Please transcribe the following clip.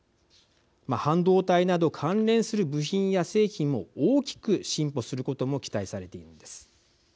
半導体など関連する部品や製品も大きく進歩することも期待されているんです。